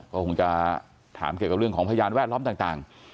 ก็คงจะถามเกี่ยวกับเรื่องของพยานแวดล้อมต่าง